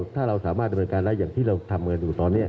ถ้าเราสามารถธนาคการรายอย่างที่เราทำอยู่ตอนนี้